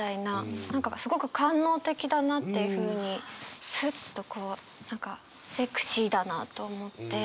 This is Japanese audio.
何かすごく官能的だなっていうふうにスッとこう何かセクシーだなと思って。